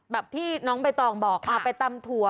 แบบที่น้องใบตองบอกเอาไปตำถั่ว